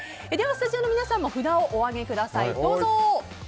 スタジオの皆さんも札をお上げください。